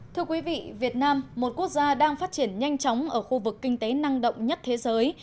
thưa quý vị việt nam một quốc gia đang phát triển nhanh chóng ở khu vực kinh tế năng động nhất thế giới